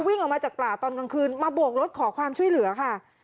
วิ่งออกมาจากป่าตอนกลางคืนมาโบกรถขอความช่วยเหลือค่ะ